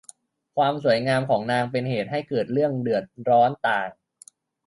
ความสวยงามของนางเป็นเหตุให้เกิดเรื่องเดือดร้อนต่าง